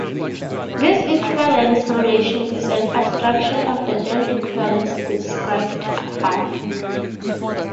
This equivalence relation is an abstraction of the germ equivalence described above.